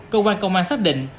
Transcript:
cơ quan công an xác định